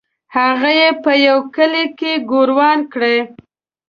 هغه یې په یوه کلي کې ګوروان کړی.